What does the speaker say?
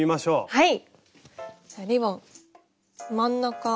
はい。